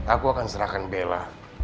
aku akan serahkan bella